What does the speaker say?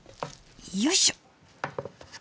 よいしょ！